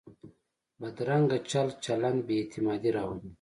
بدرنګه چل چلند بې اعتمادي راولي